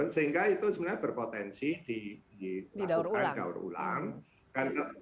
sehingga itu sebenarnya berpotensi dilakukan daur ulang